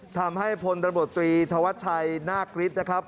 ทำให้พรทวัชชัยหน้ากฤทธิ์นะครับ